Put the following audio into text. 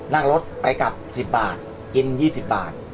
นั่งรถไปกลับ๑๐บาทกิน๒๐บาท